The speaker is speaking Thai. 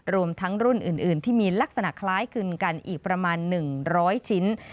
รวมทั้งรุ่นอื่นที่มีลักษณะคล้ายคลึงกันอีกประมาณ๑๐๐ชิ้น